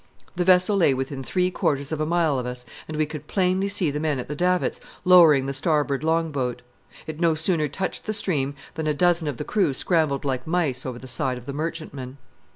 The vessel lay within three quarters of a mile of us, and we could plainly see the men at the davits lowering the starboard long boat. It no sooner touched the stream than a dozen of the crew scrambled like mice over the side of the merchantman.